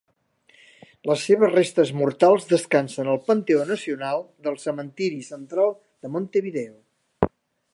Les seves restes mortals descansen al Panteó Nacional del cementiri Central de Montevideo.